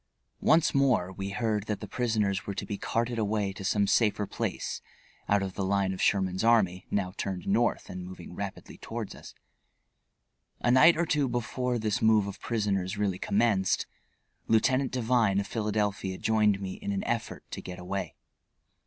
Once more we heard that the prisoners were to be carted away to some safer place, out of the line of Sherman's army, now turned North and moving rapidly toward us. A night or two before this move of prisoners really commenced Lieutenant Devine of Philadelphia joined me in an effort to get away.